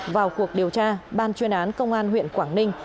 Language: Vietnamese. vào cuộc điều tra ban chuyên án công an huyện quảng ninh